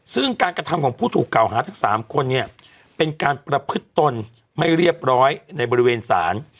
ซึ่งการกระทำของผู้ถูกเก่าหาทั้ง๓คนเนี่ยเป็นการประพฤติตนไม่เรียบร้อยในบริเวณศาล